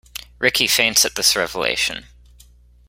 Rickie faints at this revelation.